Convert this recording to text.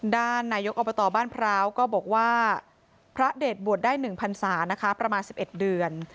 ด้านนายกอบตบ้านพร้าวก็บอกว่าพระเดชบวชได้๑พันศานะคะประมาณ๑๑เดือน